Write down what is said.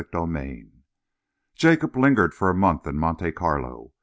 CHAPTER XV Jacob lingered for a month in Monte Carlo.